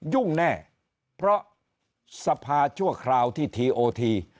ยุ่งแน่เพราะสภาชั่วคราวที่ทีโอที